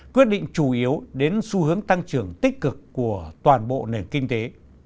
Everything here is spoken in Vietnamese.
quyết định chủ yếu đến xu hướng tăng trưởng tích cực của toàn bộ nền kinh tế